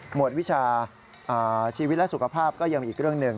หมดวิชาชีวิตและสุขภาพก็ยังมีอีกเรื่องหนึ่ง